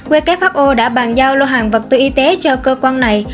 who đã bàn giao lô hàng vật tư y tế cho cơ quan này